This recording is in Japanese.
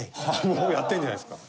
もうやってるじゃないですか。